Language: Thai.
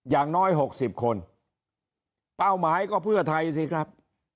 อย่างน้อย๖๐คนเป้าหมายก็เพื่อไทยสิครับ